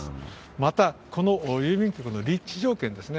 また、この郵便局の立地条件ですね。